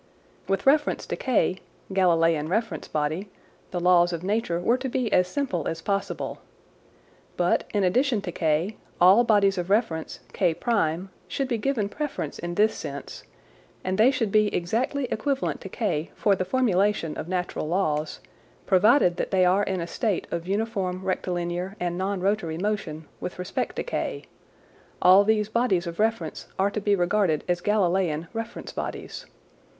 With reference to K (Galileian reference body) the laws of nature were to be as simple as possible. But in addition to K, all bodies of reference K1 should be given preference in this sense, and they should be exactly equivalent to K for the formulation of natural laws, provided that they are in a state of uniform rectilinear and non rotary motion with respect to K ; all these bodies of reference are to be regarded as Galileian reference bodies.